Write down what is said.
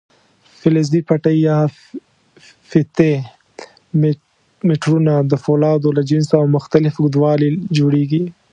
فلزي پټۍ یا فیتې میټرونه د فولادو له جنسه او مختلف اوږدوالي جوړېږي.